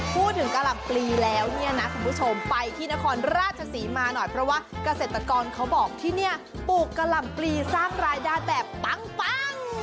กะหล่ำปลีแล้วเนี่ยนะคุณผู้ชมไปที่นครราชศรีมาหน่อยเพราะว่าเกษตรกรเขาบอกที่นี่ปลูกกะหล่ำปลีสร้างรายได้แบบปัง